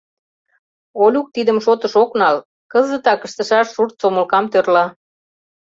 Олюк тидым шотыш ок нал, кызытак ыштышаш сурт сомылкам тӧрла.